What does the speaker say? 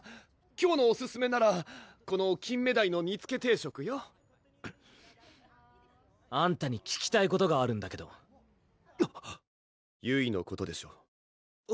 今日のオススメならこのきんめだいのにつけ定食よあんたに聞きたいことがあるんだけどゆいのことでしょ？